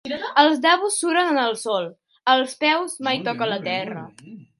Els Dabus suren en el sòl, els peus mai toquen la terra.